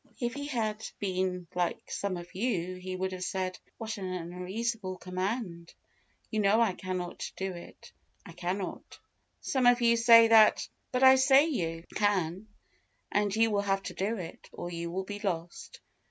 If he had been like some of you, he would have said, "What an unreasonable command! You know I cannot do it I cannot." Some of you say that; but I say you can, and you will have to do it, or you will be lost.